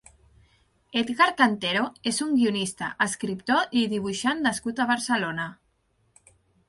Edgar Cantero és un guionista, escriptor i dibuixant nascut a Barcelona.